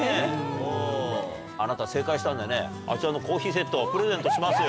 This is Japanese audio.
あなた正解したんでねあちらのコーヒーセットをプレゼントしますよ。